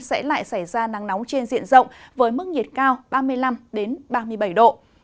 sẽ lại xảy ra nắng nóng trên diện rộng với mức nhiệt cao ba mươi năm ba mươi bảy độ